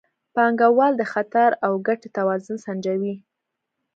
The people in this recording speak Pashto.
پانګوال د خطر او ګټې توازن سنجوي.